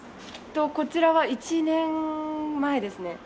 こちらは１年前ですね。